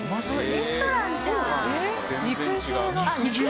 レストランじゃん」「肉汁が」